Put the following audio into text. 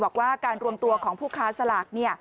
บอกว่าการรวมตัวของผู้ค้าสลาก